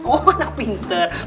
oh anak pinter